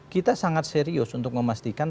kita sangat serius untuk memastikan